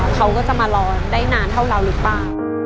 เขาก็จะมารอได้นานเท่าเราหรือเปล่า